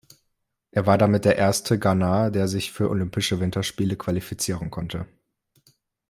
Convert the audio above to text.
Er war damit der erste Ghanaer, der sich für Olympische Winterspiele qualifizieren konnte.